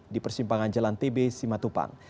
di persimpangan jalan tb simatupang